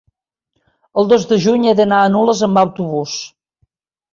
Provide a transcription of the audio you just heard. El dos de juny he d'anar a Nules amb autobús.